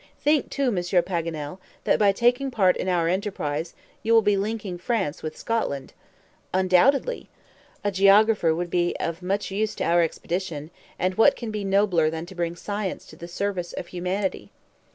"Think, too, Monsieur Paganel, that by taking part in our enterprise, you will be linking France with Scotland." "Undoubtedly." "A geographer would be of much use to our expedition, and what can be nobler than to bring science to the service of humanity?"